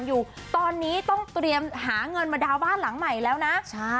อยู่ตอนนี้ต้องเตรียมหาเงินมาดาวน์บ้านหลังใหม่แล้วนะใช่